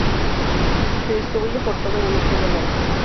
Se distribuyen por todo el hemisferio norte.